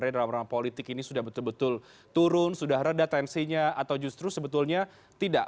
drama politik ini sudah betul betul turun sudah reda tensinya atau justru sebetulnya tidak